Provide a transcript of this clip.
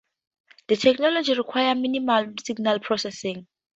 The technology requires minimal signal processing.